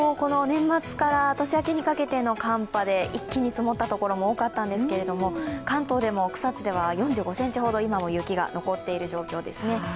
年末から年明けにかけての寒波で一気に積もったところも多かったんですけれども、関東でも草津では４５ｃｍほど今も雪が残っている状況ですね。